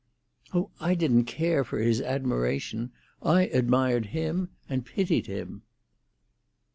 "Oh, I didn't care for his admiration. I admired him—and pitied him."